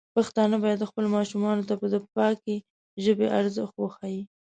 پښتانه بايد خپلو ماشومانو ته د پاکې ژبې ارزښت وښيي.